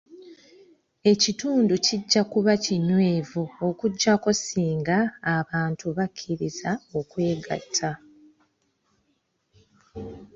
Ekitundu kijja kuba kinywevu okuggyako singa abantu bakiriza okwegatta.